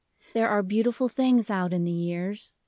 There are beautiful things out in the years.